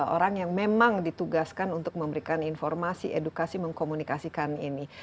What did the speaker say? orang yang memang ditugaskan untuk memberikan informasi edukasi mengkomunikasikan ini